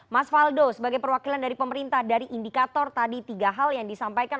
mas faldo sebagai perwakilan dari pemerintah dari indikator tadi tiga hal yang disampaikan